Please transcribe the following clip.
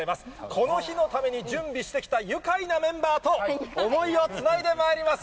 この日のために準備してきた愉快なメンバーと、想いをつないでまいります。